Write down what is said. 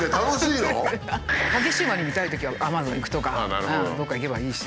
激しいワニ見たいときはアマゾン行くとかどっか行けばいいし。